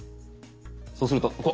そうするとここ。